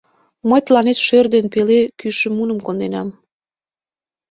— Мый тыланет шӧр ден пеле кӱшӧ муным конденам.